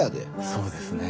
そうですね。